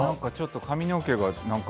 髪の毛が。